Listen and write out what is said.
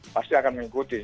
pasti akan mengikuti